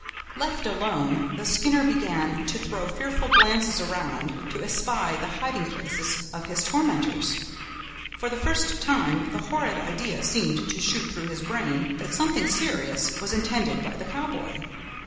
Left alone, the Skinner began to throw fearful glances around, to espy the hiding places of his tormentors. For the first time the horrid idea seemed to shoot through his brain that something serious was intended by the Cowboy.